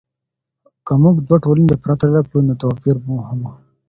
که موږ دوه ټولنې پرتله کړو نو توپیر مومو.